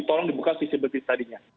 tolong dibuka visi visi tadinya